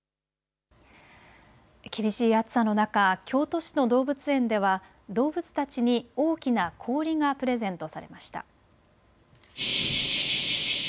厳しい暑さの中、京都市の動物園では動物たちに大きな氷がプレゼントされました。